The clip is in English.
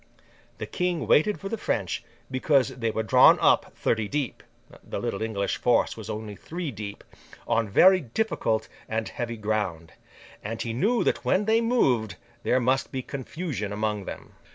The King waited for the French, because they were drawn up thirty deep (the little English force was only three deep), on very difficult and heavy ground; and he knew that when they moved, there must be confusion among them.